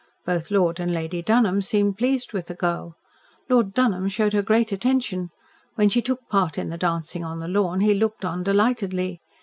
Both Lord and Lady Dunholm seemed pleased with the girl. Lord Dunholm showed her great attention. When she took part in the dancing on the lawn, he looked on delightedly.